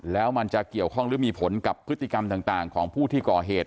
แล้วมันจะเกี่ยวข้องหรือมีผลกับพฤติกรรมต่างของผู้ที่ก่อเหตุ